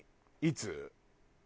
いつ？